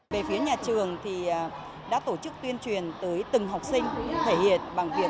về phía nhà trường thì đã tổ chức tuyên truyền tới từng học sinh thể hiện bằng việc